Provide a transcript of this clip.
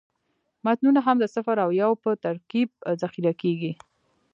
متنونه هم د صفر او یو په ترکیب ذخیره کېږي.